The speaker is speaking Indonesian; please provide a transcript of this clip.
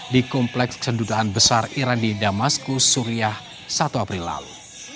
di kompleks kedutaan besar iran di damasku suriah satu april lalu